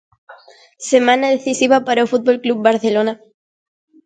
Semana decisiva para o Fútbol Club Barcelona.